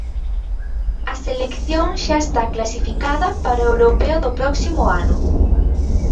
A selección xa está clasificada para o Europeo do próximo ano.